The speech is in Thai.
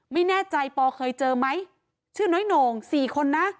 ไม่แน่ใจปอเคยเจอไหมชื่อน้อยโหน่งสี่คนนะ